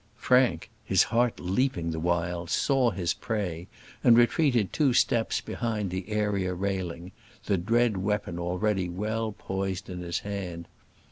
Frank, his heart leaping the while, saw his prey, and retreated two steps behind the area railing, the dread weapon already well poised in his hand.